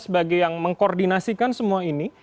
sebagai yang mengkoordinasikan semua ini